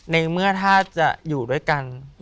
ในเมื่อถ้าจะอยู่ด้วยกัน